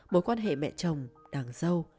mối quan hệ mẹ chồng đằng dâu